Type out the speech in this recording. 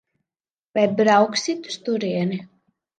Vai brauksit uz turieni?